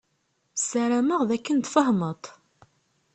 Ssarameɣ d akken tfehmeḍ.